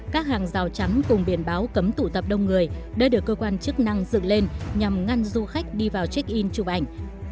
các hàng rào chắn cùng biển báo cấm tụ tập đông người đã được cơ quan chức năng dựng lên nhằm ngăn du khách đi vào check in chụp ảnh